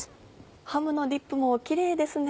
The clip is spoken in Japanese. ハムのディップもキレイですね。